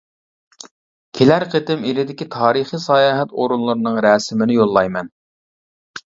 كېلەر قېتىم ئىلىدىكى تارىخى ساياھەت ئورۇنلىرىنىڭ رەسىمىنى يوللايمەن.